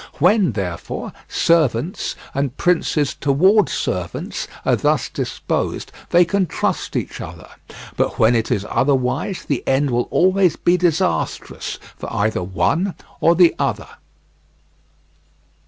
When, therefore, servants, and princes towards servants, are thus disposed, they can trust each other, but when it is otherwise, the end will always be disastrous for either one or the other.